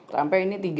sampai ini tiga